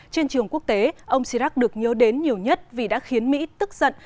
trên trường quốc tế ông chirac được nhớ đến nhiều nhất vì đã khiến mỹ tức giận